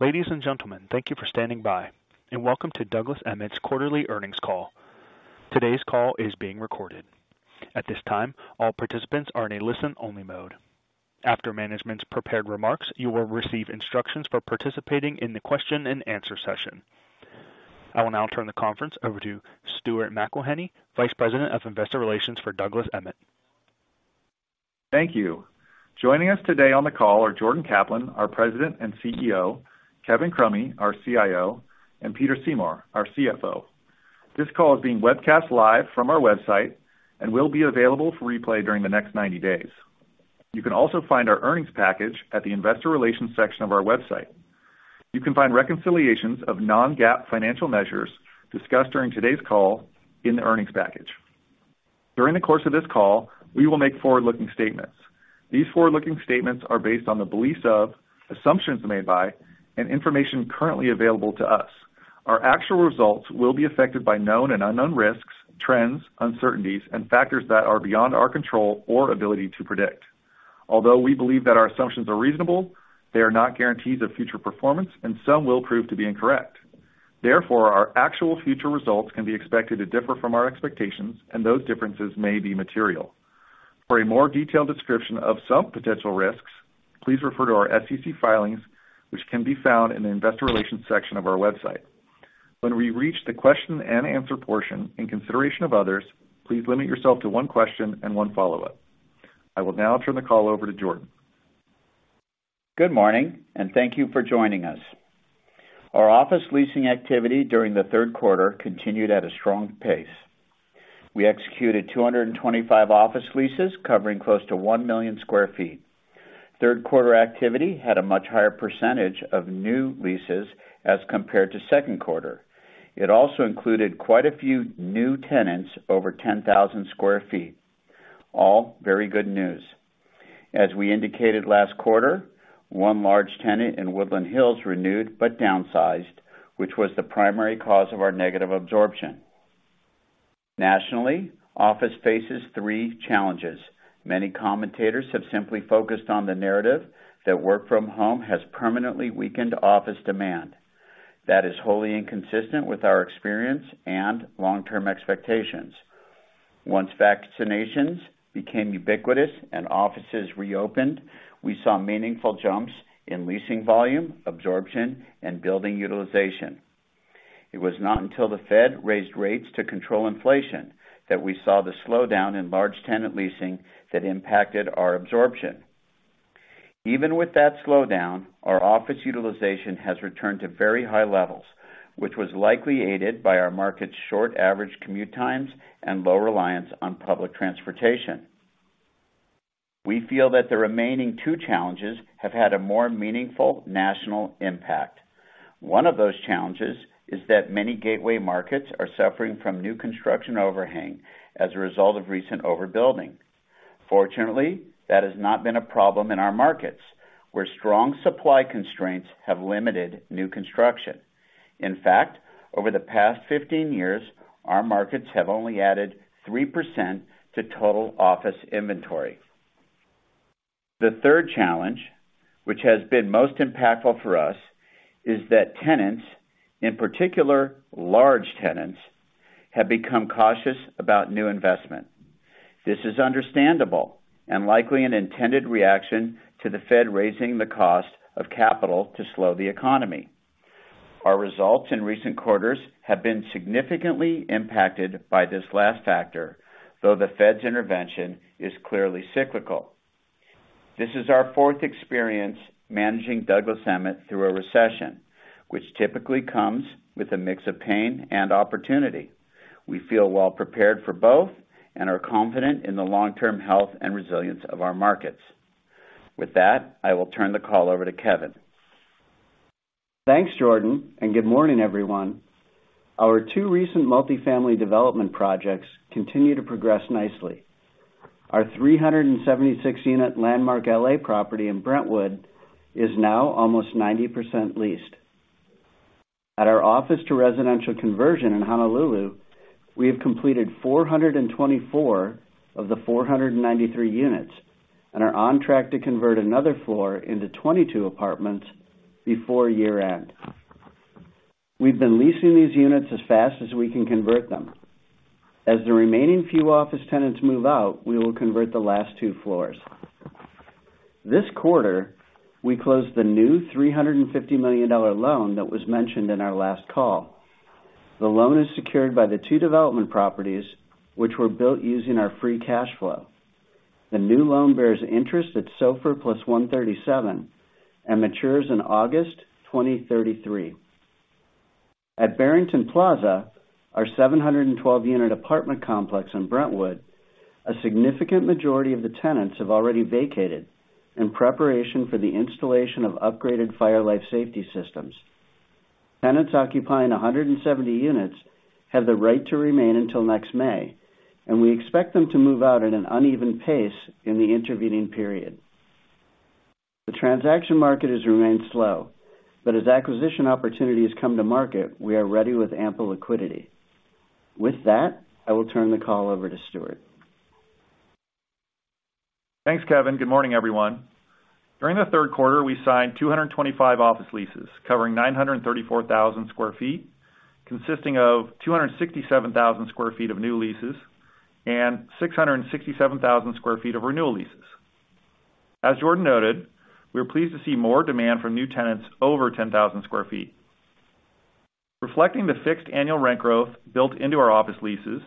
Ladies and gentlemen, thank you for standing by, and welcome to Douglas Emmett's Quarterly Earnings Call. Today's call is being recorded. At this time, all participants are in a listen-only mode. After management's prepared remarks, you will receive instructions for participating in the question-and-answer session. I will now turn the conference over to Stuart McElhinney, Vice President of Investor Relations for Douglas Emmett. Thank you. Joining us today on the call are Jordan Kaplan, our President and CEO, Kevin Crummy, our CIO, and Peter Seymour, our CFO. This call is being webcast live from our website and will be available for replay during the next 90 days. You can also find our earnings package at the investor relations section of our website. You can find reconciliations of non-GAAP financial measures discussed during today's call in the earnings package. During the course of this call, we will make forward-looking statements. These forward-looking statements are based on the beliefs of, assumptions made by, and information currently available to us. Our actual results will be affected by known and unknown risks, trends, uncertainties, and factors that are beyond our control or ability to predict. Although we believe that our assumptions are reasonable, they are not guarantees of future performance, and some will prove to be incorrect. Therefore, our actual future results can be expected to differ from our expectations, and those differences may be material. For a more detailed description of some potential risks, please refer to our SEC filings, which can be found in the investor relations section of our website. When we reach the question-and-answer portion, in consideration of others, please limit yourself to one question and one follow-up. I will now turn the call over to Jordan. Good morning, and thank you for joining us. Our office leasing activity during the Q3 continued at a strong pace. We executed 225 office leases covering close to 1,000,000 sq ft. Q3 activity had a much higher percentage of new leases as compared to Q2. It also included quite a few new tenants over 10,000 sq ft. All very good news. As we indicated last quarter, one large tenant in Woodland Hills renewed but downsized, which was the primary cause of our negative absorption. Nationally, office faces three challenges. Many commentators have simply focused on the narrative that work from home has permanently weakened office demand. That is wholly inconsistent with our experience and long-term expectations. Once vaccinations became ubiquitous and offices reopened, we saw meaningful jumps in leasing volume, absorption, and building utilization. It was not until the Fed raised rates to control inflation that we saw the slowdown in large tenant leasing that impacted our absorption. Even with that slowdown, our office utilization has returned to very high levels, which was likely aided by our market's short average commute times and low reliance on public transportation. We feel that the remaining two challenges have had a more meaningful national impact. One of those challenges is that many gateway markets are suffering from new construction overhang as a result of recent overbuilding. Fortunately, that has not been a problem in our markets, where strong supply constraints have limited new construction. In fact, over the past 15 years, our markets have only added 3% to total office inventory. The third challenge, which has been most impactful for us, is that tenants, in particular large tenants, have become cautious about new investment. This is understandable and likely an intended reaction to the Fed raising the cost of capital to slow the economy. Our results in recent quarters have been significantly impacted by this last factor, though the Fed's intervention is clearly cyclical. This is our fourth experience managing Douglas Emmett through a recession, which typically comes with a mix of pain and opportunity. We feel well prepared for both and are confident in the long-term health and resilience of our markets. With that, I will turn the call over to Kevin. Thanks, Jordan, and good morning, everyone. Our two recent multifamily development projects continue to progress nicely. Our 376-unit Landmark L.A. property in Brentwood is now almost 90% leased. At our office-to-residential conversion in Honolulu, we have completed 424 of the 493 units and are on track to convert another floor into 22 apartments before year-end. We've been leasing these units as fast as we can convert them. As the remaining few office tenants move out, we will convert the last two floors. This quarter, we closed the new $350 million loan that was mentioned in our last call. The loan is secured by the two development properties, which were built using our free cash flow. The new loan bears interest at SOFR + 137 and matures in August 2033. At Barrington Plaza, our 712-unit apartment complex in Brentwood, a significant majority of the tenants have already vacated in preparation for the installation of upgraded fire life safety systems. Tenants occupying 170 units have the right to remain until next May, and we expect them to move out at an uneven pace in the intervening period. The transaction market has remained slow, but as acquisition opportunities come to market, we are ready with ample liquidity. With that, I will turn the call over to Stuart. Thanks, Kevin. Good morning, everyone. During the Q3, we signed 225 office leases covering 934,000 sq ft, consisting of 267,000 sq ft of new leases and 667,000 sq ft of renewal leases. As Jordan noted, we are pleased to see more demand from new tenants over 10,000 sq ft. Reflecting the fixed annual rent growth built into our office leases,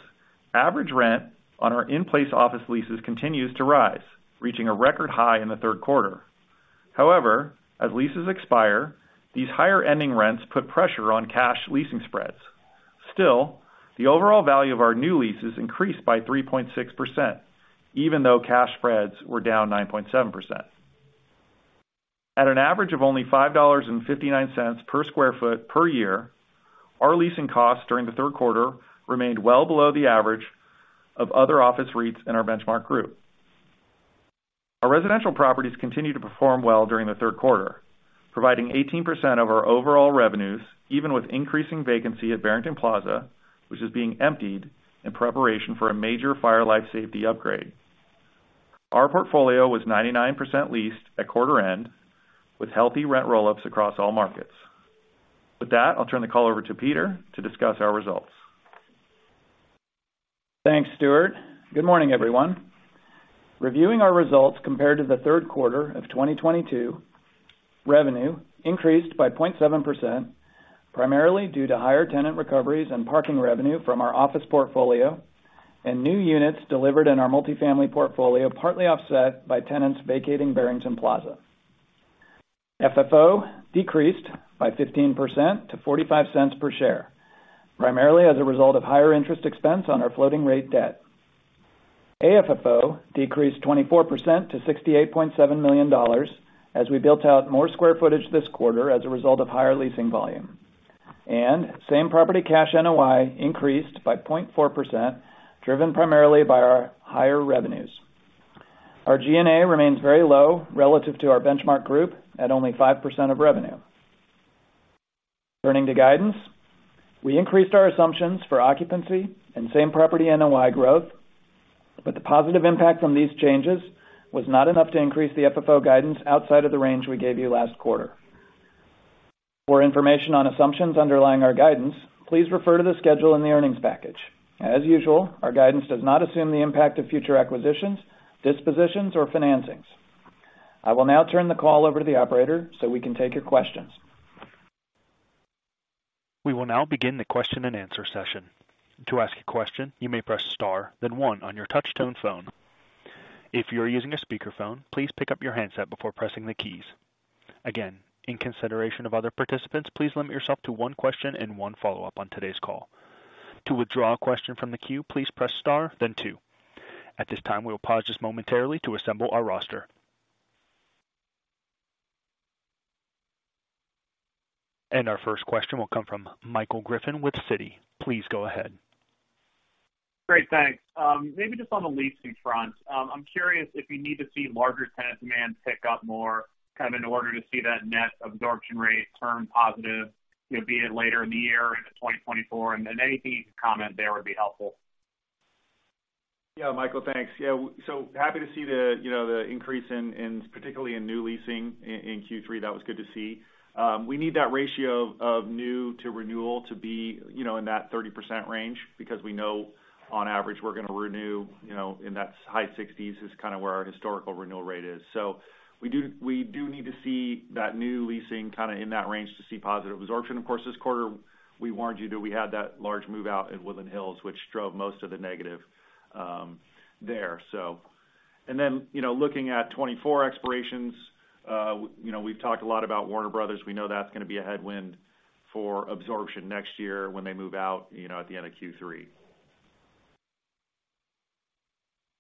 average rent on our in-place office leases continues to rise, reaching a record high in the Q3. However, as leases expire, these higher ending rents put pressure on cash leasing spreads. Still, the overall value of our new leases increased by 3.6%, even though cash spreads were down 9.7%. At an average of only $5.59 per sq ft per year, our leasing costs during the Q3 remained well below the average of other office REITs in our benchmark group. Our residential properties continued to perform well during the Q3, providing 18% of our overall revenues, even with increasing vacancy at Barrington Plaza, which is being emptied in preparation for a major fire life safety upgrade. Our portfolio was 99% leased at quarter end, with healthy rent roll-ups across all markets. With that, I'll turn the call over to Peter to discuss our results. Thanks, Stuart. Good morning, everyone. Reviewing our results compared to the Q3 of 2022, revenue increased by 0.7%, primarily due to higher tenant recoveries and parking revenue from our office portfolio, and new units delivered in our multifamily portfolio, partly offset by tenants vacating Barrington Plaza. FFO decreased by 15% to $0.45 per share, primarily as a result of higher interest expense on our floating rate debt. FFO decreased 24% to $68.7 million, as we built out more square footage this quarter as a result of higher leasing volume. Same property cash NOI increased by 0.4%, driven primarily by our higher revenues. Our G&A remains very low relative to our benchmark group at only 5% of revenue. Turning to guidance, we increased our assumptions for occupancy and same-property NOI growth, but the positive impact from these changes was not enough to increase the FFO guidance outside of the range we gave you last quarter. For information on assumptions underlying our guidance, please refer to the schedule in the earnings package. As usual, our guidance does not assume the impact of future acquisitions, dispositions or financings. I will now turn the call over to the operator so we can take your questions. We will now begin the question-and-answer session. To ask a question, you may press star, then one on your touchtone phone. If you are using a speakerphone, please pick up your handset before pressing the keys. Again, in consideration of other participants, please limit yourself to one question and one follow-up on today's call. To withdraw a question from the queue, please press star then two. At this time, we will pause just momentarily to assemble our roster. Our first question will come from Michael Griffin with Citi. Please go ahead. Great, thanks. Maybe just on the leasing front. I'm curious if you need to see larger tenant demand pick up more, kind of in order to see that net absorption rate turn positive, you know, be it later in the year into 2024, and then anything you can comment there would be helpful. Yeah, Michael, thanks. Yeah, so happy to see the, you know, the increase in, in particularly in new leasing in Q3. That was good to see. We need that ratio of new to renewal to be, you know, in that 30% range, because we know, on average, we're going to renew, you know, in that high 60s is kind of where our historical renewal rate is. So we do, we do need to see that new leasing kind of in that range to see positive absorption. Of course, this quarter, we warned you that we had that large move out at Woodland Hills, which drove most of the negative there. So and then, you know, looking at 2024 expirations, you know, we've talked a lot about Warner Bros. We know that's going to be a headwind for absorption next year when they move out, you know, at the end of Q3.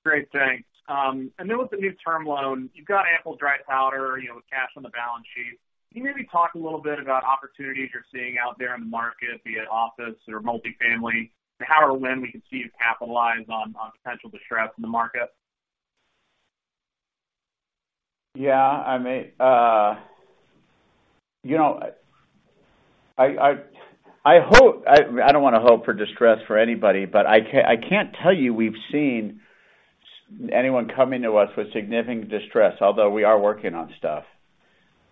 Great, thanks. And then with the new term loan, you've got ample dry powder, you know, with cash on the balance sheet. Can you maybe talk a little bit about opportunities you're seeing out there in the market, be it office or multifamily? And how or when we can see you capitalize on potential distress in the market? Yeah, I mean, you know, I hope-- I don't want to hope for distress for anybody, but I can't tell you we've seen anyone coming to us with significant distress, although we are working on stuff.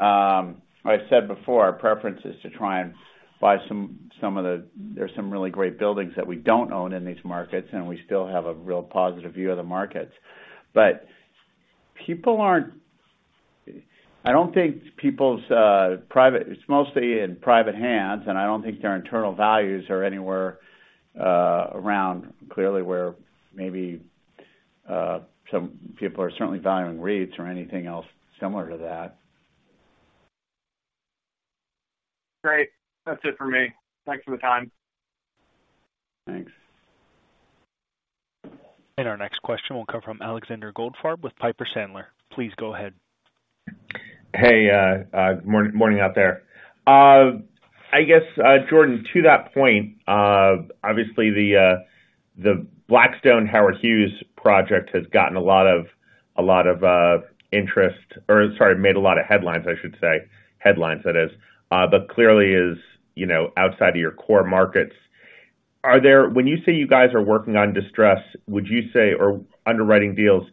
I've said before, our preference is to try and buy some of the-- There's some really great buildings that we don't own in these markets, and we still have a real positive view of the markets. But people aren't... I don't think people's private-- It's mostly in private hands, and I don't think their internal values are anywhere around clearly where maybe some people are certainly valuing REITs or anything else similar to that. Great. That's it for me. Thanks for the time. Thanks. Our next question will come from Alexander Goldfarb with Piper Sandler. Please go ahead. Hey, morning out there. I guess, Jordan, to that point, obviously the Blackstone Howard Hughes project has gotten a lot of interest, or sorry, made a lot of headlines, I should say, headlines that is, but clearly is, you know, outside of your core markets. Are there, when you say you guys are working on distress, would you say, or underwriting deals,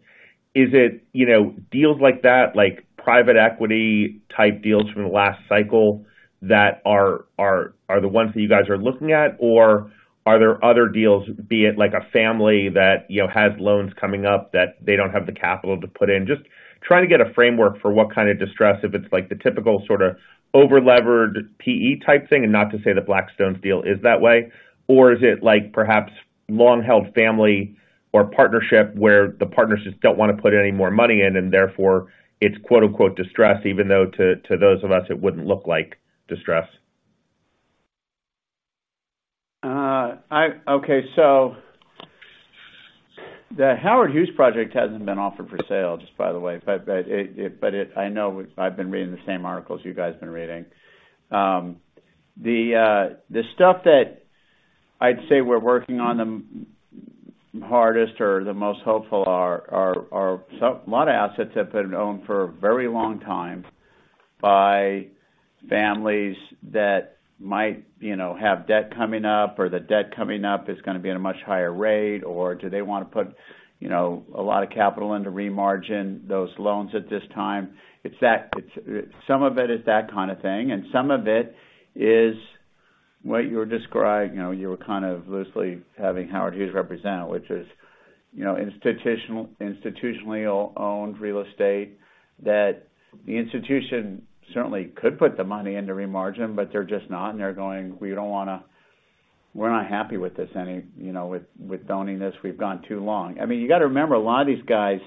is it, you know, deals like that, like private equity-type deals from the last cycle that are the ones that you guys are looking at? Or are there other deals, be it like a family that, you know, has loans coming up that they don't have the capital to put in? Just trying to get a framework for what kind of distress, if it's like the typical sort of over-levered PE-type thing, and not to say the Blackstone deal is that way. Or is it like perhaps long-held family or partnership where the partners just don't wanna put any more money in, and therefore it's quote, unquote, "distress," even though to, to those of us, it wouldn't look like distress. Okay, so the Howard Hughes project hasn't been offered for sale, just by the way, but it. But it—I know I've been reading the same articles you guys have been reading. The stuff that I'd say we're working on the hardest or the most hopeful are some—a lot of assets have been owned for a very long time by families that might, you know, have debt coming up, or the debt coming up is gonna be at a much higher rate, or do they wanna put, you know, a lot of capital in to remargin those loans at this time? It's that—it's some of it is that kind of thing, and some of it is what you were describing. You know, you were kind of loosely having Howard Hughes represent, which is, you know, institutionally owned real estate, that the institution certainly could put the money in to remargin, but they're just not, and they're going, "We don't wanna... We're not happy with this any, you know, with, with owning this. We've gone too long." I mean, you gotta remember, a lot of these guys,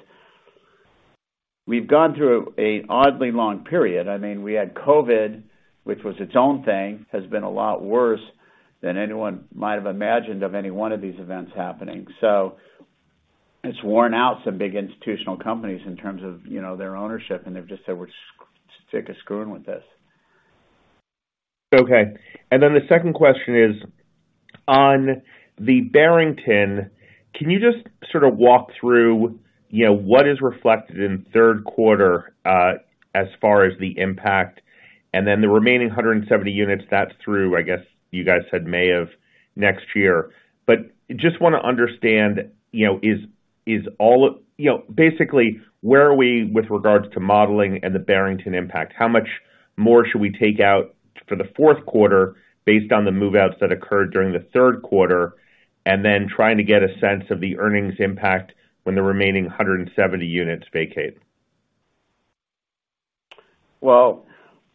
we've gone through a oddly long period. I mean, we had COVID, which was its own thing, has been a lot worse than anyone might have imagined of any one of these events happening. So it's worn out some big institutional companies in terms of, you know, their ownership, and they've just said, "We're sick of screwing with this. Okay. And then the second question is, on the Barrington, can you just sort of walk through, you know, what is reflected in the Q3, as far as the impact, and then the remaining 170 units, that's through I guess, you guys said May of next year. But just wanna understand, you know, is all of... You know, basically, where are we with regards to modeling and the Barrington impact? How much more should we take out for the Q4 based on the move-outs that occurred during the Q3, and then trying to get a sense of the earnings impact when the remaining 170 units vacate? Well,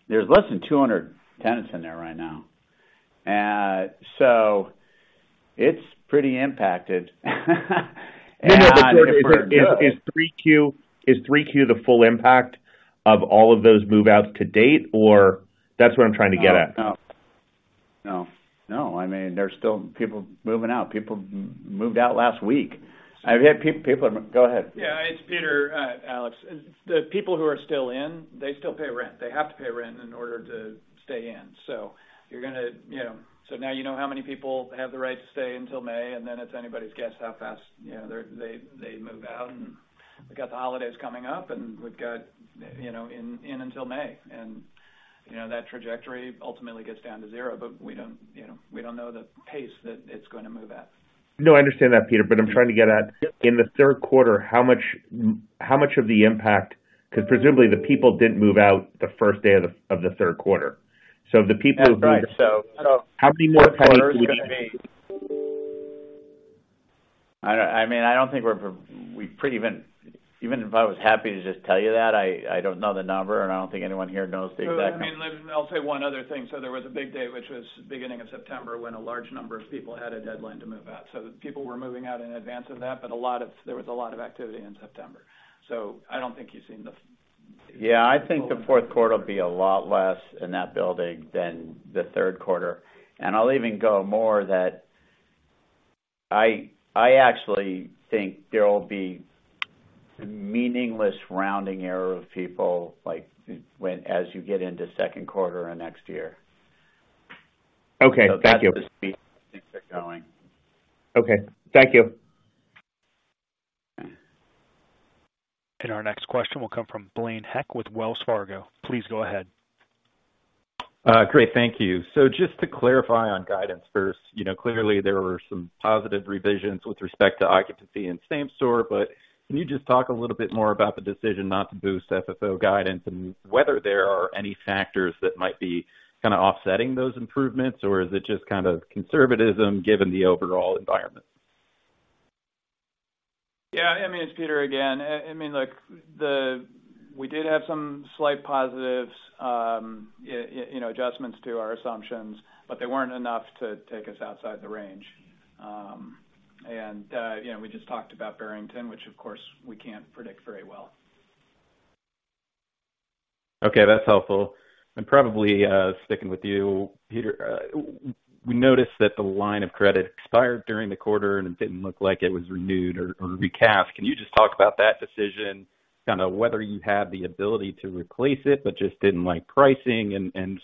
there's less than 200 tenants in there right now. So it's pretty impacted. And, No, but is 3Q the full impact of all of those move-outs to date, or? That's what I'm trying to get at. No, no. No. I mean, there's still people moving out. People moved out last week. I've had people... Go ahead. Yeah, it's Peter, Alex. The people who are still in, they still pay rent. They have to pay rent in order to stay in. So you're gonna, you know... So now you know how many people have the right to stay until May, and then it's anybody's guess how fast, you know, they move out, and we've got the holidays coming up, and we've got, you know, in until May, and, you know, that trajectory ultimately gets down to zero, but we don't, you know, we don't know the pace that it's gonna move at. No, I understand that, Peter, but I'm trying to get at, in the Q3, how much, how much of the impact, because presumably, the people didn't move out the first day of the Q3. So the people who- That's right, so- How many more tenants would it be? I mean, I don't think we're pretty even, even if I was happy to just tell you that, I don't know the number, and I don't think anyone here knows the exact number. So I mean, I'll say one other thing. So there was a big day, which was the beginning of September, when a large number of people had a deadline to move out. So people were moving out in advance of that, but a lot of... There was a lot of activity in September. So I don't think you've seen the- Yeah, I think the Q4 will be a lot less in that building than the Q3. I'll even go more that I, I actually think there will be meaningless rounding error of people, like, as you get into Q2 of next year. Okay, thank you. So that's the speed things are going. Okay, thank you. Our next question will come from Blaine Heck with Wells Fargo. Please go ahead. Great, thank you. So just to clarify on guidance first, you know, clearly there were some positive revisions with respect to occupancy and same store, but can you just talk a little bit more about the decision not to boost FFO guidance, and whether there are any factors that might be kind of offsetting those improvements, or is it just kind of conservatism, given the overall environment? Yeah, I mean, it's Peter again. I mean, look, we did have some slight positives, you know, adjustments to our assumptions, but they weren't enough to take us outside the range. And, you know, we just talked about Barrington, which of course, we can't predict very well. Okay, that's helpful. Probably, sticking with you, Peter, we noticed that the line of credit expired during the quarter, and it didn't look like it was renewed or recast. Can you just talk about that decision, kind of whether you have the ability to replace it, but just didn't like pricing, and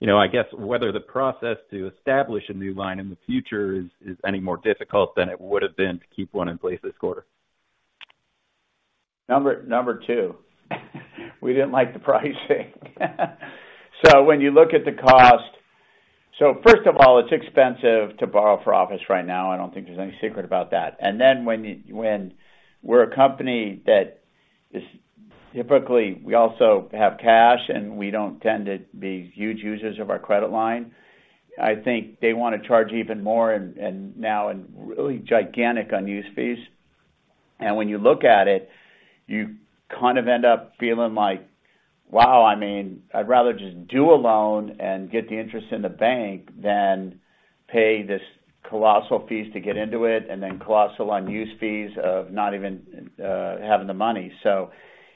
you know, I guess whether the process to establish a new line in the future is any more difficult than it would've been to keep one in place this quarter? Number two, we didn't like the pricing. So when you look at the cost. So first of all, it's expensive to borrow for office right now. I don't think there's any secret about that. And then when you, when we're a company that is typically, we also have cash, and we don't tend to be huge users of our credit line. I think they want to charge even more and, and now, and really gigantic on use fees. And when you look at it, you kind of end up feeling like, wow, I mean, I'd rather just do a loan and get the interest in the bank than pay this colossal fees to get into it, and then colossal on use fees of not even having the money. So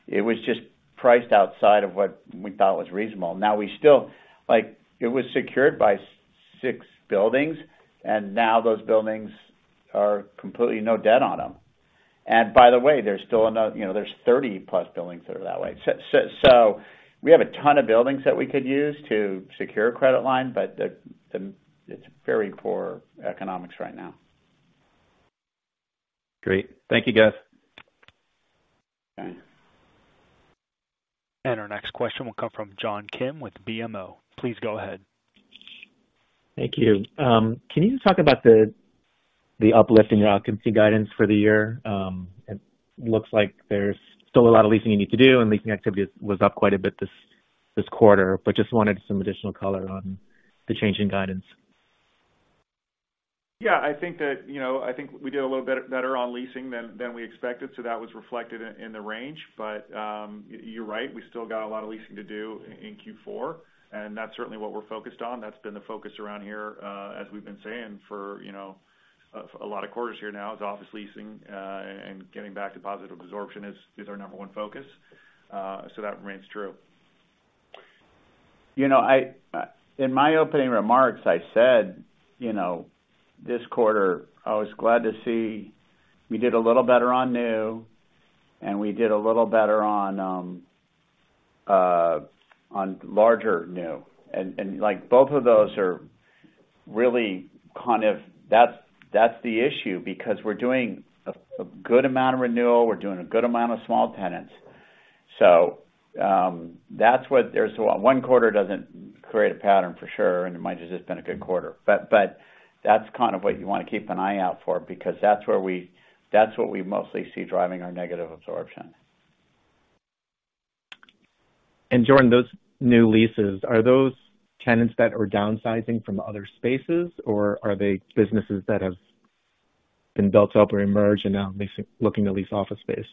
it was just priced outside of what we thought was reasonable. Now, we still like, it was secured by six buildings, and now those buildings are completely no debt on them. And by the way, there's still, you know, there's 30+ buildings that are that way. So, we have a ton of buildings that we could use to secure a credit line, but the, it's very poor economics right now. Great. Thank you guys. Thanks. Our next question will come from John Kim with BMO. Please go ahead. Thank you. Can you just talk about the uplift in your occupancy guidance for the year? It looks like there's still a lot of leasing you need to do, and leasing activity was up quite a bit this quarter. But just wanted some additional color on the change in guidance. Yeah, I think that, you know, I think we did a little bit better on leasing than we expected, so that was reflected in the range. But, you're right, we still got a lot of leasing to do in Q4, and that's certainly what we're focused on. That's been the focus around here, as we've been saying for, you know, a lot of quarters here now, is office leasing, and getting back to positive absorption is our number one focus. So that remains true. You know, I in my opening remarks, I said, you know, this quarter, I was glad to see we did a little better on new, and we did a little better on larger new. And like both of those are really kind of, that's the issue, because we're doing a good amount of renewal, we're doing a good amount of small tenants. So, that's what. There's one quarter doesn't create a pattern for sure, and it might've just been a good quarter. But that's kind of what you want to keep an eye out for, because that's where we, that's what we mostly see driving our negative absorption. And Jordan, those new leases, are those tenants that are downsizing from other spaces, or are they businesses that have been built up or emerged and now leasing, looking to lease office space?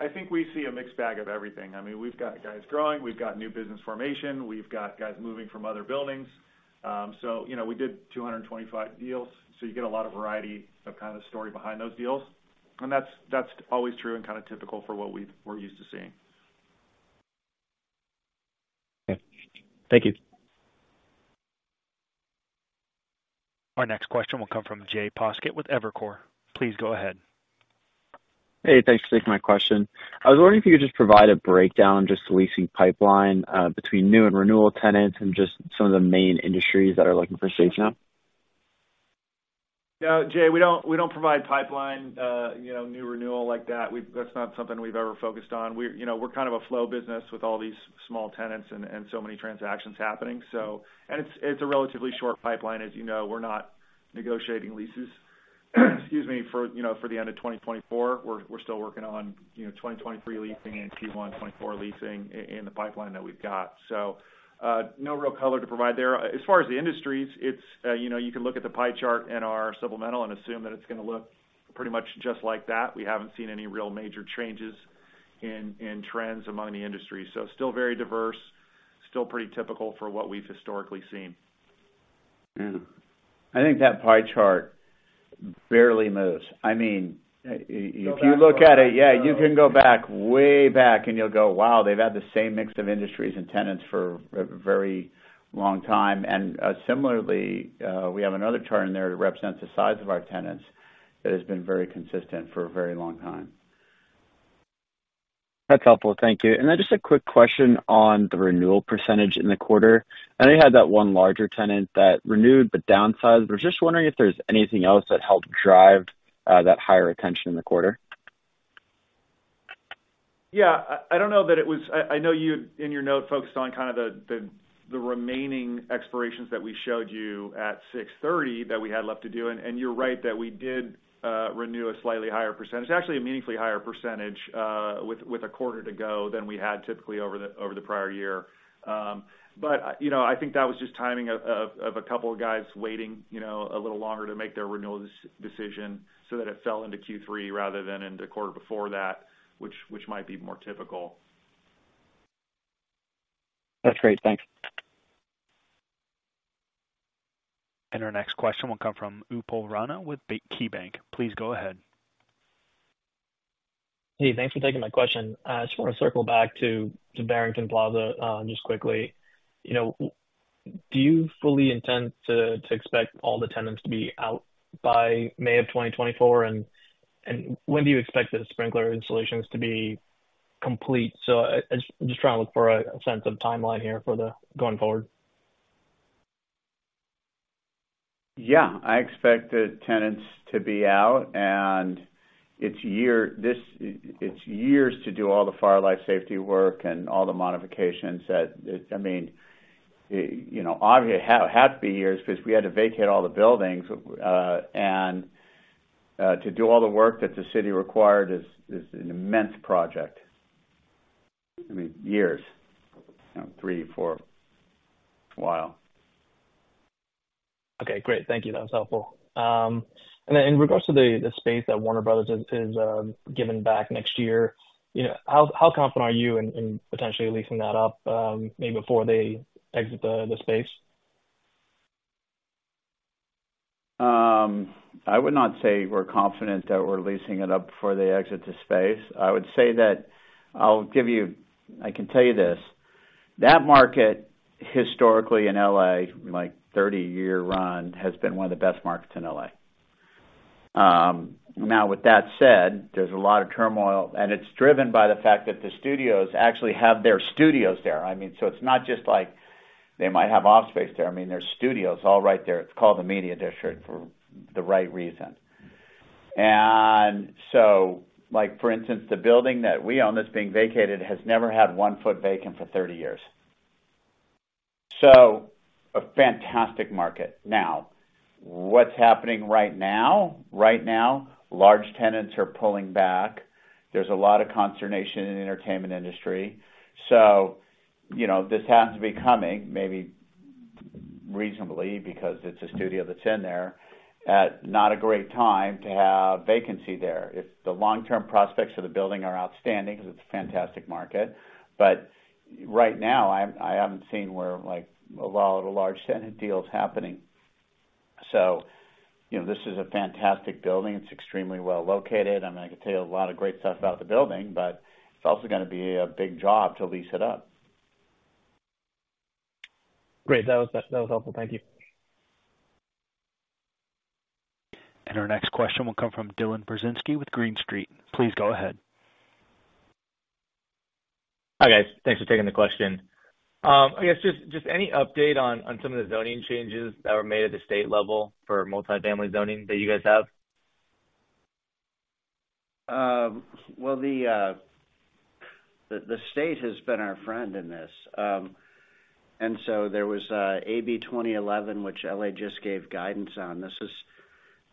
I think we see a mixed bag of everything. I mean, we've got guys growing, we've got new business formation, we've got guys moving from other buildings. So, you know, we did 225 deals, so you get a lot of variety of kind of story behind those deals. That's, that's always true and kind of typical for what we're used to seeing. Okay. Thank you. Our next question will come from Jay Poskitt with Evercore. Please go ahead. Hey, thanks for taking my question. I was wondering if you could just provide a breakdown, just the leasing pipeline, between new and renewal tenants and just some of the main industries that are looking for space now. Yeah, Jay, we don't, we don't provide pipeline, you know, new renewal like that. We've. That's not something we've ever focused on. We, you know, we're kind of a flow business with all these small tenants and, and so many transactions happening. So. And it's, it's a relatively short pipeline. As you know, we're not negotiating leases, excuse me, for, you know, for the end of 2024. We're, we're still working on, you know, 2023 leasing and Q1 2024 leasing in the pipeline that we've got. So, no real color to provide there. As far as the industries, it's, you know, you can look at the pie chart in our supplemental and assume that it's gonna look pretty much just like that. We haven't seen any real major changes in, in trends among the industry. So still very diverse, still pretty typical for what we've historically seen. Yeah. I think that pie chart barely moves. I mean, Go back-... If you look at it, yeah, you can go back, way back, and you'll go, "Wow, they've had the same mix of industries and tenants for a very long time." And, similarly, we have another chart in there that represents the size of our tenants that has been very consistent for a very long time. That's helpful. Thank you. And then just a quick question on the renewal percentage in the quarter. I know you had that one larger tenant that renewed but downsized. I was just wondering if there's anything else that helped drive that higher retention in the quarter? Yeah, I don't know that it was. I know you, in your note, focused on kind of the remaining expirations that we showed you at 63, that we had left to do. You're right, that we did renew a slightly higher percentage. Actually, a meaningfully higher percentage, with a quarter to go than we had typically over the prior year. But you know, I think that was just timing of a couple of guys waiting, you know, a little longer to make their renewal decision, so that it fell into Q3 rather than in the quarter before that, which might be more typical. That's great. Thanks. Our next question will come from Upal Rana with KeyBanc. Please go ahead. Hey, thanks for taking my question. I just want to circle back to Barrington Plaza just quickly. You know, do you fully intend to expect all the tenants to be out by May of 2024? And when do you expect the sprinkler installations to be complete? So I just, I'm just trying to look for a sense of timeline here for the going forward. Yeah, I expect the tenants to be out, and it's years to do all the fire life safety work and all the modifications that, I mean, you know, obviously, it had to be years because we had to vacate all the buildings, and to do all the work that the city required is an immense project. I mean, years, you know, three, four, a while. Okay, great. Thank you. That was helpful. And then in regards to the space that Warner Bros. is giving back next year, you know, how confident are you in potentially leasing that up, maybe before they exit the space? I would not say we're confident that we're leasing it up before they exit the space. I would say that—I'll give you... I can tell you this, that market, historically in L.A., like, 30-year run, has been one of the best markets in L.A. Now, with that said, there's a lot of turmoil, and it's driven by the fact that the studios actually have their studios there. I mean, so it's not just like, they might have office space there. I mean, there's studios all right there. It's called the Media District for the right reason. And so, like, for instance, the building that we own that's being vacated, has never had one foot vacant for 30 years. So a fantastic market. Now, what's happening right now? Right now, large tenants are pulling back. There's a lot of consternation in the entertainment industry. So, you know, this happens to be coming, maybe reasonably, because it's a studio that's in there, at not a great time to have vacancy there. It's the long-term prospects for the building are outstanding because it's a fantastic market. But right now, I haven't seen where, like, a lot of the large tenant deals happening. So, you know, this is a fantastic building. It's extremely well located. I mean, I could tell you a lot of great stuff about the building, but it's also gonna be a big job to lease it up. Great. That was, that was helpful. Thank you. Our next question will come from Dylan Brzezinski with Green Street. Please go ahead. Hi, guys. Thanks for taking the question. I guess, just any update on some of the zoning changes that were made at the state level for multi-family zoning that you guys have? Well, the state has been our friend in this. And so there was AB-2011, which LA just gave guidance on. This is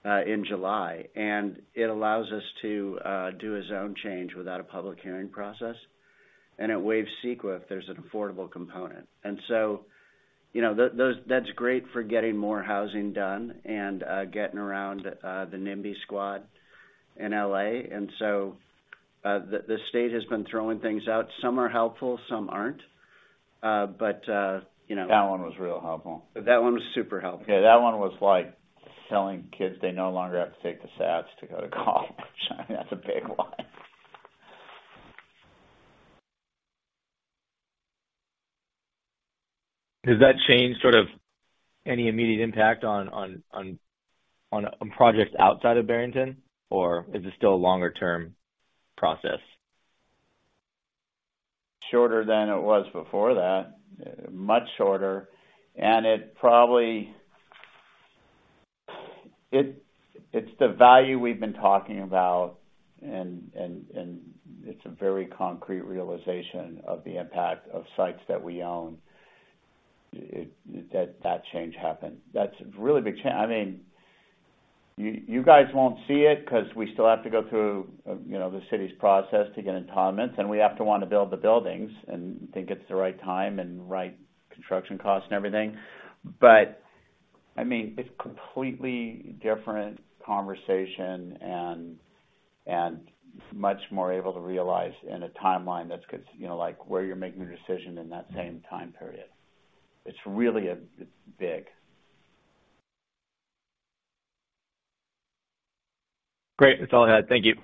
in July, and it allows us to do a zone change without a public hearing process, and it waives CEQA if there's an affordable component. And so, you know, that's great for getting more housing done and getting around the NIMBY squad in L.A. And so the state has been throwing things out. Some are helpful, some aren't, but you know- That one was real helpful. That one was super helpful. Yeah, that one was like telling kids they no longer have to take the SATs to go to college. I mean, that's a big one. Does that change sort of any immediate impact on projects outside of Barrington, or is this still a longer-term process? Shorter than it was before that, much shorter. It's the value we've been talking about, and it's a very concrete realization of the impact of sites that we own. That change happened. That's a really big change. I mean, you guys won't see it because we still have to go through, you know, the city's process to get entitlements, and we have to want to build the buildings and think it's the right time and right construction costs and everything. But, I mean, it's a completely different conversation and much more able to realize in a timeline that's con- you know, like, where you're making a decision in that same time period. It's really big. Great. That's all I had. Thank you.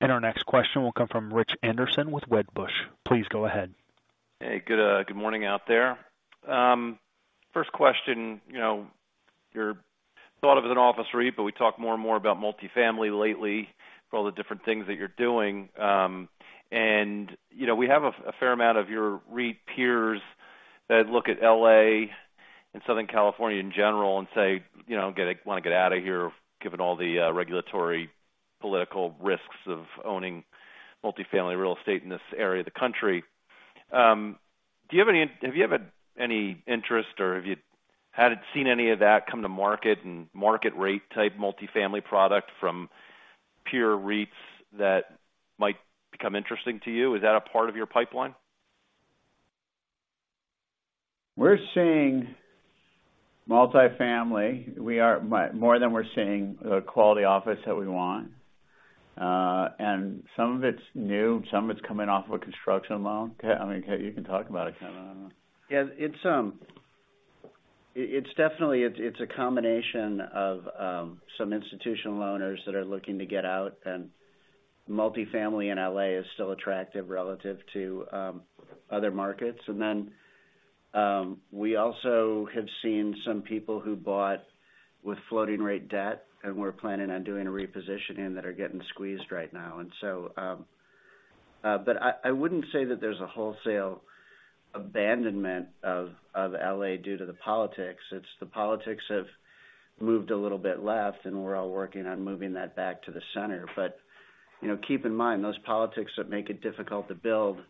Our next question will come from Rich Anderson with Wedbush. Please go ahead. Hey, good morning out there. First question, you know, you're thought of as an office REIT, but we talk more and more about multifamily lately for all the different things that you're doing. You know, we have a fair amount of your REIT peers that look at L.A. and Southern California in general and say, you know, want to get out of here, given all the regulatory political risks of owning multifamily real estate in this area of the country. Have you had any interest, or have you seen any of that come to market and market-rate type multifamily product from pure REITs that might become interesting to you? Is that a part of your pipeline? We're seeing multifamily. We are more than we're seeing, quality office that we want. Some of it's new, some of it's coming off a construction loan. I mean, Kevin, you can talk about it, kind of, I don't know. Yeah, it's definitely a combination of some institutional owners that are looking to get out, and multifamily in L.A. is still attractive relative to other markets. And then we also have seen some people who bought with floating rate debt and were planning on doing a repositioning that are getting squeezed right now. And so-... But I wouldn't say that there's a wholesale abandonment of L.A. due to the politics. It's the politics have moved a little bit left, and we're all working on moving that back to the center. But, you know, keep in mind, those politics that make it difficult to build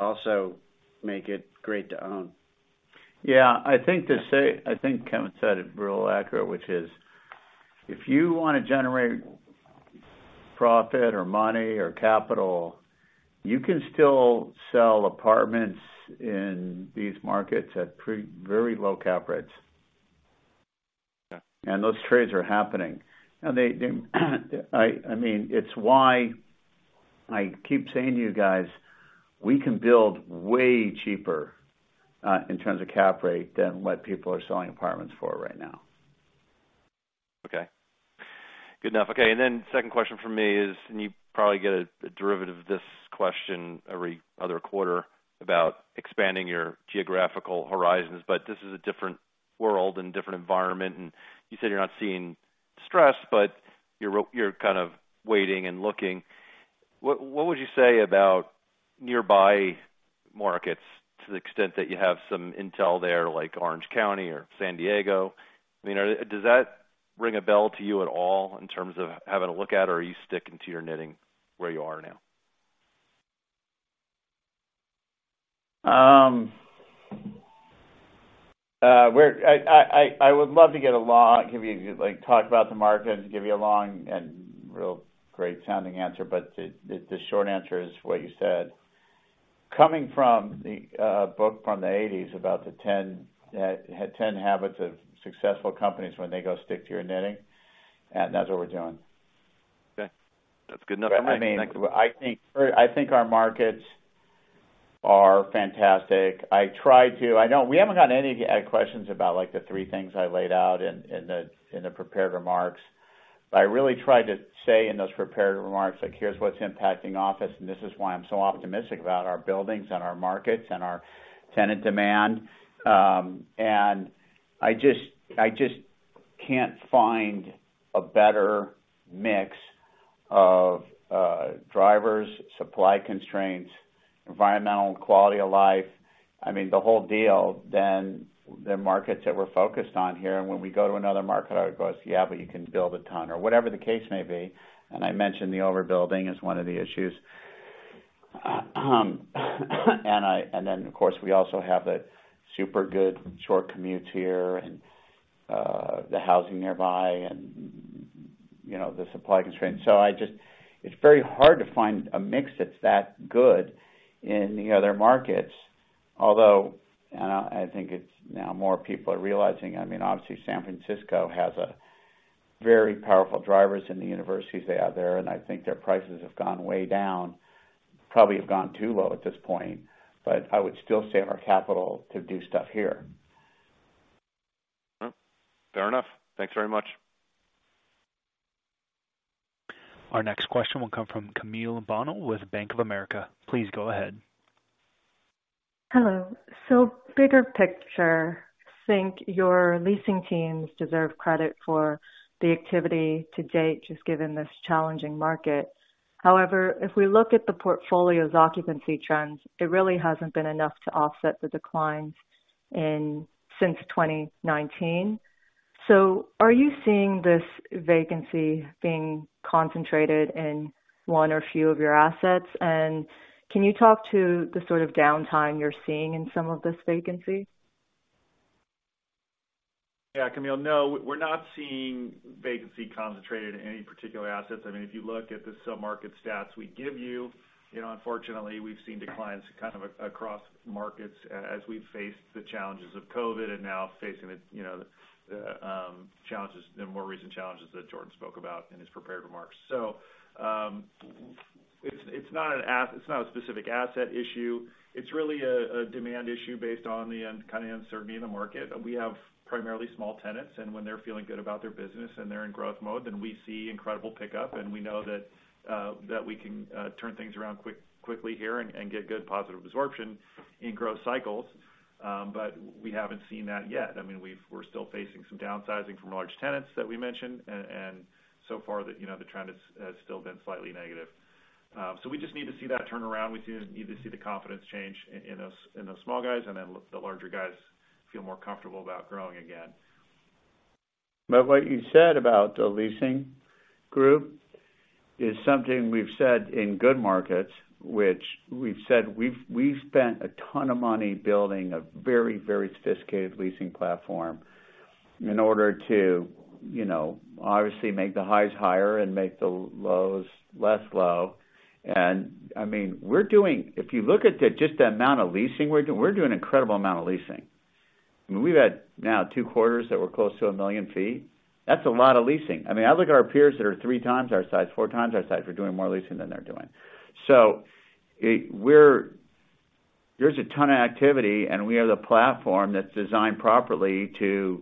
also make it great to own. Yeah, I think, to say, I think Kevin said it real accurate, which is, if you wanna generate profit or money or capital, you can still sell apartments in these markets at pre- very low cap rates. Yeah. Those trades are happening. They, I mean, it's why I keep saying to you guys, we can build way cheaper in terms of cap rate than what people are selling apartments for right now. Okay. Good enough. Okay, and then second question from me is, and you probably get a derivative of this question every other quarter about expanding your geographical horizons, but this is a different world and different environment, and you said you're not seeing stress, but you're waiting and looking. What would you say about nearby markets to the extent that you have some intel there, like Orange County or San Diego? I mean, does that ring a bell to you at all in terms of having a look at, or are you sticking to your knitting where you are now? I would love to give you, like, a long talk about the market and give you a long and real great-sounding answer, but the short answer is what you said. Coming from the book from the 80's, about the 10 habits of successful companies when they go stick to your knitting, and that's what we're doing. Okay. That's good enough for me. Thank you. I mean, I think, I think our markets are fantastic. I try to—I know we haven't gotten any questions about, like, the three things I laid out in, in the, in the prepared remarks. But I really tried to say in those prepared remarks, like, here's what's impacting office, and this is why I'm so optimistic about our buildings and our markets and our tenant demand. And I just, I just can't find a better mix of drivers, supply constraints, environmental and quality of life, I mean, the whole deal, than the markets that we're focused on here. And when we go to another market, everybody goes, "Yeah, but you can build a ton," or whatever the case may be. And I mentioned the overbuilding is one of the issues. And then, of course, we also have the super good short commutes here and, the housing nearby and, you know, the supply constraints. So I just... It's very hard to find a mix that's that good in the other markets. Although, I think it's now more people are realizing, I mean, obviously, San Francisco has a very powerful drivers in the universities they have there, and I think their prices have gone way down, probably have gone too low at this point, but I would still save our capital to do stuff here. Well, fair enough. Thanks very much. Our next question will come from Camille Bonnel with Bank of America. Please go ahead. Hello. So bigger picture, think your leasing teams deserve credit for the activity to date, just given this challenging market. However, if we look at the portfolio's occupancy trends, it really hasn't been enough to offset the declines in since 2019. So are you seeing this vacancy being concentrated in one or a few of your assets? And can you talk to the sort of downtime you're seeing in some of this vacancy? Yeah, Camille. No, we're not seeing vacancy concentrated in any particular assets. I mean, if you look at the sub-market stats we give you, you know, unfortunately, we've seen declines kind of across markets as we've faced the challenges of COVID and now facing the, you know, the challenges, the more recent challenges that Jordan spoke about in his prepared remarks. So, it's not a specific asset issue, it's really a demand issue based on the kind of uncertainty in the market. We have primarily small tenants, and when they're feeling good about their business and they're in growth mode, then we see incredible pickup, and we know that that we can turn things around quickly here and get good positive absorption in growth cycles. But we haven't seen that yet. I mean, we've—we're still facing some downsizing from large tenants that we mentioned, and, and so far, the, you know, the trend has, has still been slightly negative. So we just need to see that turn around. We just need to see the confidence change in, in those, in those small guys, and then the larger guys feel more comfortable about growing again. But what you said about the leasing group is something we've said in good markets, which we've said we've spent a ton of money building a very, very sophisticated leasing platform in order to, you know, obviously, make the highs higher and make the lows less low. And I mean, we're doing. If you look at just the amount of leasing we're doing, we're doing an incredible amount of leasing. I mean, we've had now two quarters that were close to 1 million feet. That's a lot of leasing. I mean, I look at our peers that are 3 times our size, 4 times our size, we're doing more leasing than they're doing. So we're, there's a ton of activity, and we have the platform that's designed properly to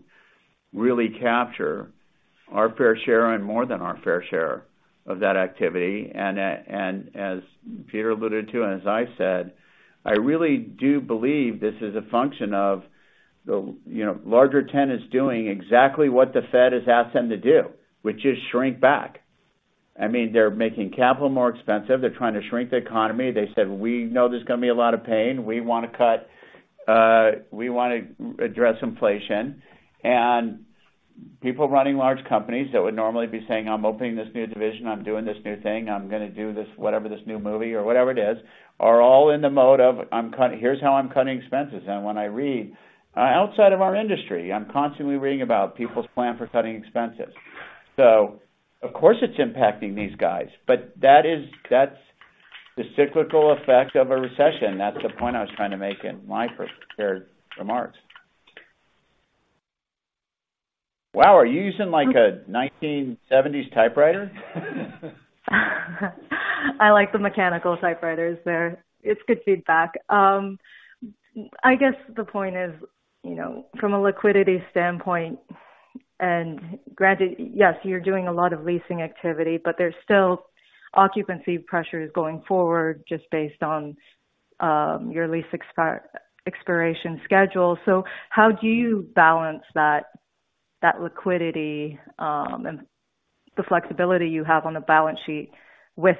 really capture our fair share and more than our fair share of that activity. As Peter alluded to, and as I said, I really do believe this is a function of the, you know, larger tenants doing exactly what the Fed has asked them to do, which is shrink back. I mean, they're making capital more expensive. They're trying to shrink the economy. They said, "We know there's gonna be a lot of pain. We wanna cut, we wanna address inflation." And people running large companies that would normally be saying, I'm opening this new division, I'm doing this new thing, I'm gonna do this, whatever, this new movie or whatever it is, are all in the mode of, I'm cutting—here's how I'm cutting expenses. And when I read, outside of our industry, I'm constantly reading about people's plan for cutting expenses. So of course, it's impacting these guys, but that is—that's the cyclical effect of a recession. That's the point I was trying to make in my prepared remarks. Wow, are you using, like, a 1970s typewriter? I like the mechanical typewriters there. It's good feedback. I guess the point is, you know, from a liquidity standpoint, and granted, yes, you're doing a lot of leasing activity, but there's still occupancy pressures going forward just based on your lease expiration schedule. So how do you balance that liquidity and the flexibility you have on the balance sheet with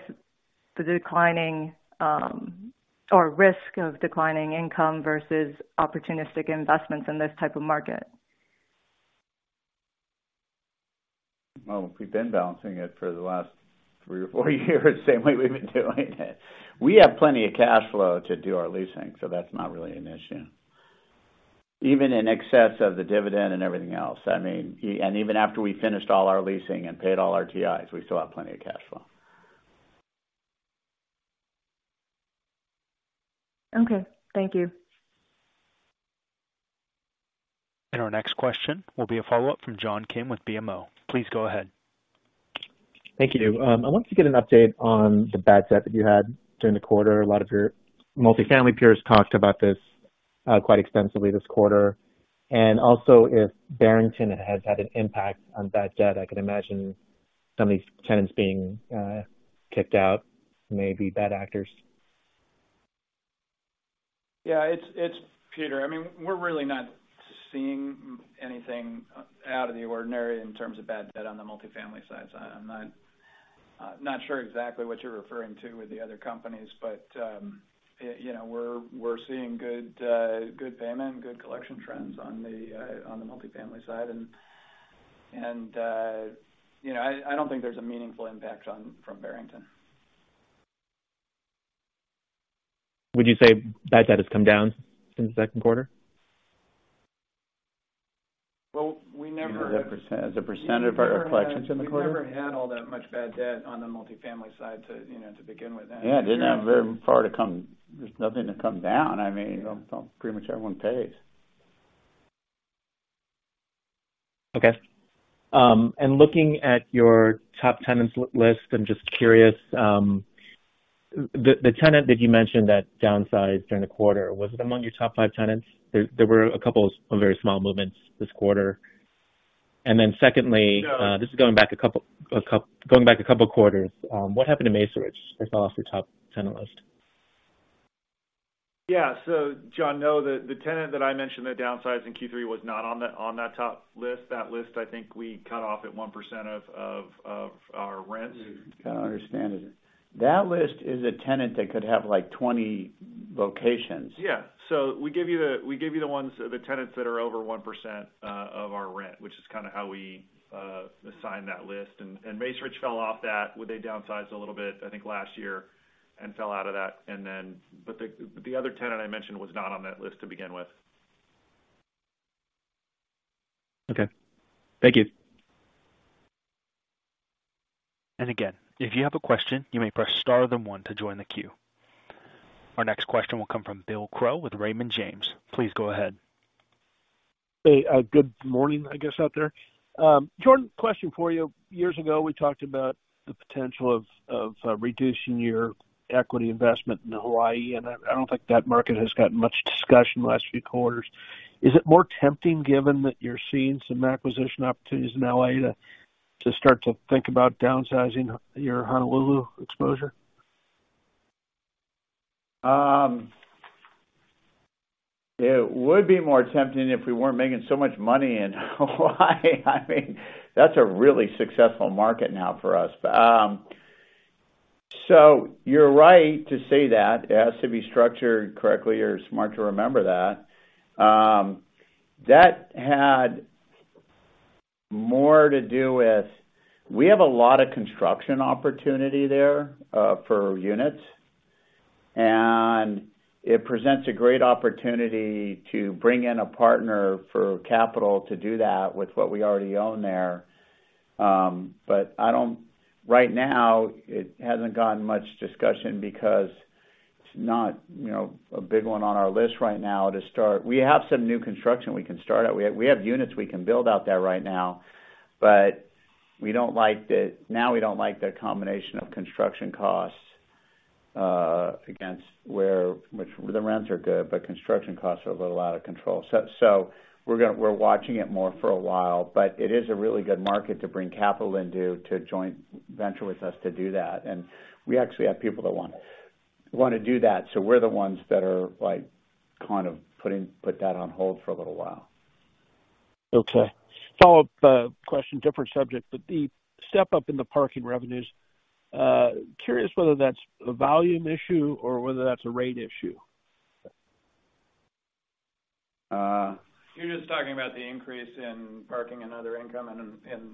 the declining or risk of declining income versus opportunistic investments in this type of market? Well, we've been balancing it for the last three or four years, same way we've been doing it. We have plenty of cash flow to do our leasing, so that's not really an issue. Even in excess of the dividend and everything else. I mean, and even after we finished all our leasing and paid all our TIs, we still have plenty of cash flow. Okay, thank you. Our next question will be a follow-up from John Kim with BMO. Please go ahead. Thank you. I wanted to get an update on the bad debt that you had during the quarter. A lot of your multifamily peers talked about this quite extensively this quarter, and also if Barrington has had an impact on bad debt, I could imagine some of these tenants being kicked out, maybe bad actors. Yeah, it's Peter. I mean, we're really not seeing anything out of the ordinary in terms of bad debt on the multifamily side. So I'm not sure exactly what you're referring to with the other companies, but you know, we're seeing good payment, good collection trends on the multifamily side. And you know, I don't think there's a meaningful impact from Barrington. Would you say bad debt has come down since the Q2? Well, we never- As a percentage, as a percentage of our collections in the quarter? We never had all that much bad debt on the multifamily side to, you know, to begin with. Yeah, they're not very far to come. There's nothing to come down. I mean, pretty much everyone pays. Okay. And looking at your top tenants list, I'm just curious, the tenant that you mentioned that downsized during the quarter, was it among your top five tenants? There were a couple of very small movements this quarter. And then secondly- No. This is going back a couple of quarters. What happened to Macerich? They fell off your top 10 list. Yeah. So John, no, the tenant that I mentioned that downsized in Q3 was not on that top list. That list, I think we cut off at 1% of our rents. You gotta understand, that list is a tenant that could have, like, 20 locations. Yeah. So we give you the, we give you the ones, the tenants that are over 1% of our rent, which is kind of how we assign that list. And, and Macerich fell off that when they downsized a little bit, I think last year, and fell out of that. And then, but the, but the other tenant I mentioned was not on that list to begin with. Okay, thank you. And again, if you have a question, you may press star then one to join the queue. Our next question will come from Bill Crow with Raymond James. Please go ahead. Hey, good morning, I guess, out there. Jordan, question for you. Years ago, we talked about the potential of reducing your equity investment in Hawaii, and I don't think that market has gotten much discussion in the last few quarters. Is it more tempting, given that you're seeing some acquisition opportunities in L.A., to start to think about downsizing your Honolulu exposure? It would be more tempting if we weren't making so much money in Hawaii. I mean, that's a really successful market now for us. But so you're right to say that. It has to be structured correctly. You're smart to remember that. That had more to do with... We have a lot of construction opportunity there for units, and it presents a great opportunity to bring in a partner for capital to do that with what we already own there. But I don't right now, it hasn't gotten much discussion because it's not, you know, a big one on our list right now to start. We have some new construction we can start out. We have units we can build out there right now, but we don't like the combination of construction costs against which the rents are good, but construction costs are a little out of control. So we're watching it more for a while, but it is a really good market to bring capital into, to joint venture with us to do that. And we actually have people that want to do that. So we're the ones that are, like, kind of putting that on hold for a little while.... Okay. Follow-up question, different subject, but the step-up in the parking revenues, curious whether that's a volume issue or whether that's a rate issue? Uh. You're just talking about the increase in parking and other income.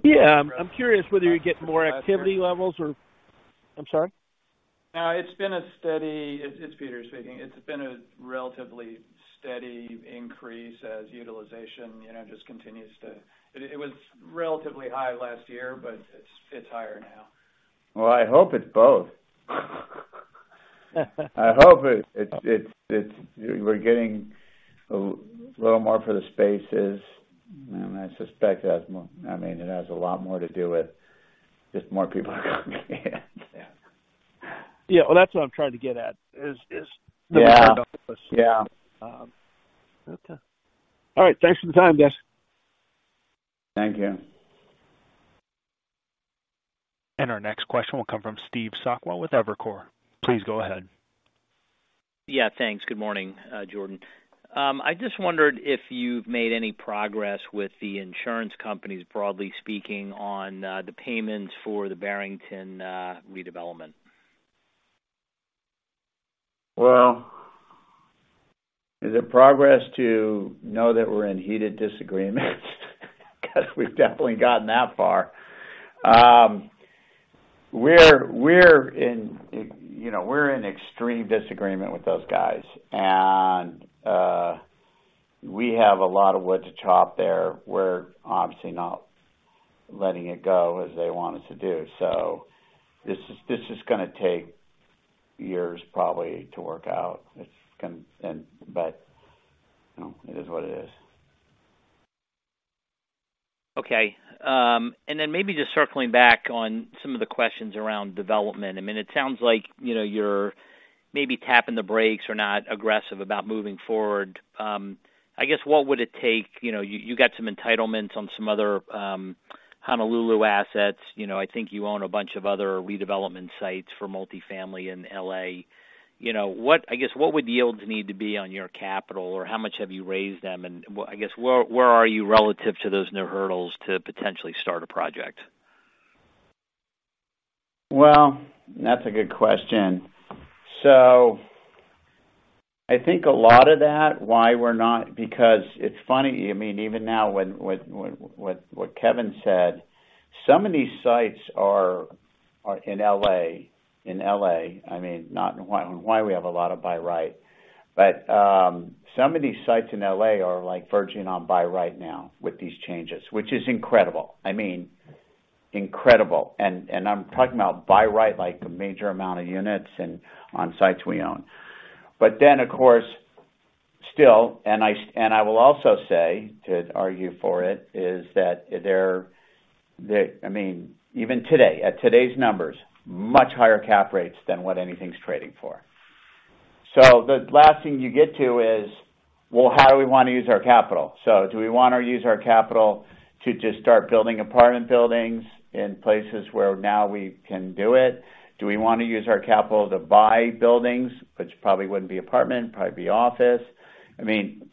Yeah, I'm curious whether you're getting more activity levels or... I'm sorry? No, it's been a steady. It's Peter speaking. It's been a relatively steady increase as utilization, you know, just continues to... It was relatively high last year, but it's higher now. Well, I hope it's both. I hope it, it's we're getting a little more for the spaces, and I suspect it has more, I mean, it has a lot more to do with just more people coming in. Yeah. Well, that's what I'm trying to get at, Yeah. Yeah. Okay. All right, thanks for the time, guys. Thank you. Our next question will come from Steve Sakwa with Evercore. Please go ahead. Yeah, thanks. Good morning, Jordan. I just wondered if you've made any progress with the insurance companies, broadly speaking, on the payments for the Barrington redevelopment? Well, is it progress to know that we're in heated disagreements? Because we've definitely gotten that far. We're in, you know, extreme disagreement with those guys, and we have a lot of wood to chop there. We're obviously not letting it go as they want us to do, so this is gonna take years, probably, to work out. It's gonna... But, you know, it is what it is. Okay, and then maybe just circling back on some of the questions around development. I mean, it sounds like, you know, you're maybe tapping the brakes or not aggressive about moving forward. I guess, what would it take? You know, you got some entitlements on some other Honolulu assets. You know, I think you own a bunch of other redevelopment sites for multifamily in L.A. You know, I guess, what would yields need to be on your capital, or how much have you raised them, and I guess, where are you relative to those new hurdles to potentially start a project? Well, that's a good question. So I think a lot of that, why we're not. Because it's funny, I mean, even now, what Kevin said, some of these sites are in LA. In LA, I mean, not in Hawaii. In Hawaii, we have a lot of by-right. But some of these sites in LA are, like, verging on by-right now with these changes, which is incredible. I mean, incredible. And I'm talking about by-right, like, a major amount of units and on sites we own. But then, of course, still, and I will also say, to argue for it, is that there. That, I mean, even today, at today's numbers, much higher cap rates than what anything's trading for. So the last thing you get to is, well, how do we want to use our capital? So do we want to use our capital to just start building apartment buildings in places where now we can do it? Do we want to use our capital to buy buildings, which probably wouldn't be apartment, probably be office? I mean,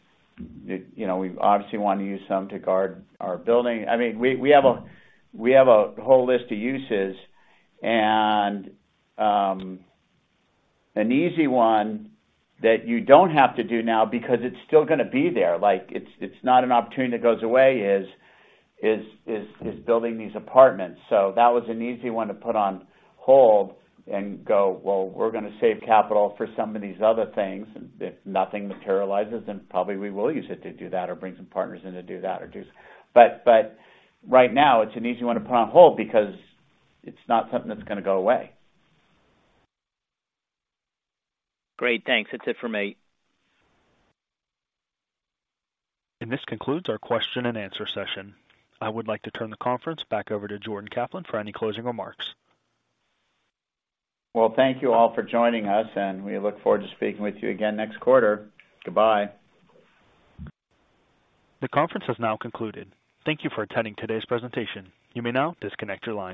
you know, we obviously want to use some to guard our building. I mean, we have a whole list of uses, and an easy one that you don't have to do now because it's still gonna be there, like, it's building these apartments. So that was an easy one to put on hold and go, "Well, we're gonna save capital for some of these other things," and if nothing materializes, then probably we will use it to do that or bring some partners in to do that or do... But right now, it's an easy one to put on hold because it's not something that's gonna go away. Great, thanks. That's it for me. This concludes our question and answer session. I would like to turn the conference back over to Jordan Kaplan for any closing remarks. Well, thank you all for joining us, and we look forward to speaking with you again next quarter. Goodbye. The conference has now concluded. Thank you for attending today's presentation. You may now disconnect your lines.